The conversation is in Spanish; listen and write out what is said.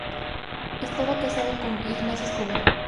Estaba casado con Ignacia Escobar.